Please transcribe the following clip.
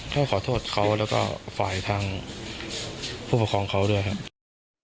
ก็ขอโทษเขาแล้วก็ฝ่ายทางผู้ปกครองเขาด้วยครับ